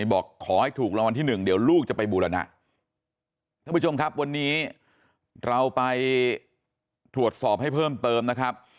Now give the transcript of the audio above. บอกขอให้ถูกรางวัลที่หนึ่งเดี๋ยวลูกจะไปบูรณะท่านผู้ชมครับวันนี้เราไปตรวจสอบให้เพิ่มเติมนะครับ